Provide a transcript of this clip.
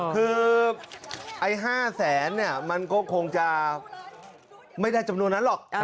คือไอ้๕แสนเนี่ยมันก็คงจะไม่ได้จำนวนนั้นหรอก